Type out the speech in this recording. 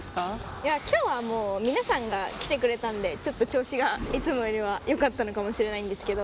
いや、きょうは皆さんが来てくれたんで、ちょっと調子がいつもよりはよかったのかもしれないんですけど。